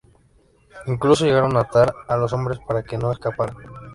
Incluso llegaron a atar a los hombres para que no escaparan.